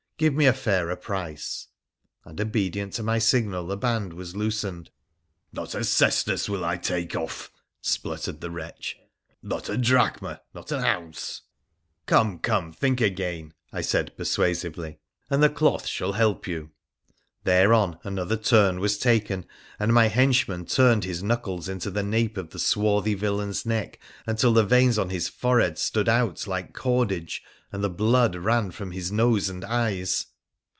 Give me a fairer price ;' and obedient to my signal the band was loosened. ' Not a sesterce will I take off,' spluttered the wretch, ' not a drachma, not an ounce.' ' Come ! come ! think again,' I said persuasively, ' and the cloth shall help you.' Thereon another turn was taken, and my henchman turned his knuckles into the nape of the swarthy villain's neck, until the veins on his forehead stood out like cordage and the blood ran from his nose and eyes.